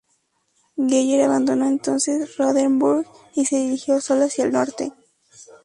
Geyer abandonó entonces Rothenburg y se dirigió solo hacia el norte.